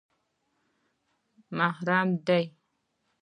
_محرم دي؟